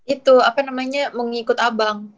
itu apa namanya mengikut abang